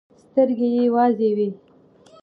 سترګې يې وازې وې.